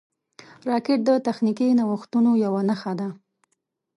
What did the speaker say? راکټ د تخنیکي نوښتونو یوه نښه ده